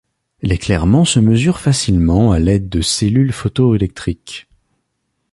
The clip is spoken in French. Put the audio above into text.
L'éclairement se mesure facilement à l'aide de cellules photoélectriques.